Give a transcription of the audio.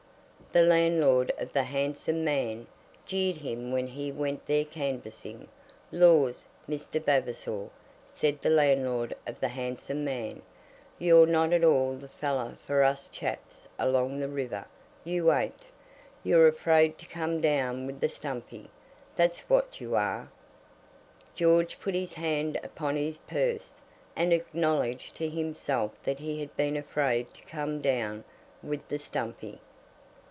The landlord of the "Handsome Man" jeered him when he went there canvassing. "Laws, Mr. Vavasor!" said the landlord of the "Handsome Man," "you're not at all the fellow for us chaps along the river, you ain't. You're afraid to come down with the stumpy, that's what you are." George put his hand upon his purse, and acknowledged to himself that he had been afraid to come down with the stumpy.